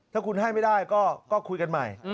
ถ้าคุณให้ไม่ได้ก็คุยกันใหม่